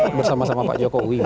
bersama sama pak jokowi